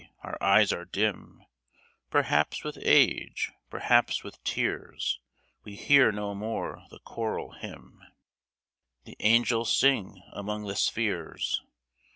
Our eyes are dim, Perhaps with age, perhaps with tears ; We hear no more the choral hymn The angels sing among the spheres.